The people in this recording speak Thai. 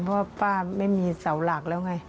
เพราะว่าป้าไม่มีเสาหลักแล้วไง